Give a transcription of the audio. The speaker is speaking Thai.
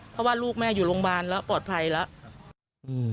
เพราะว่าลูกแม่อยู่โรงพยาบาลแล้วปลอดภัยแล้ว